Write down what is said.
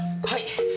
はい！